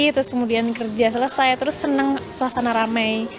terus kemudian kerja selesai terus senang suasana rame